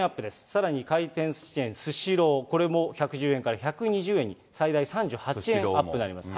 さらに回転すしチェーン、スシロー、これも１１０円から１２０円に、最大３８円アップになります。